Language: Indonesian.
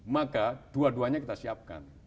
maka dua duanya kita siapkan